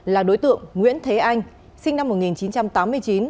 là đối tượng nguyễn thế anh sinh năm một nghìn chín trăm tám mươi chín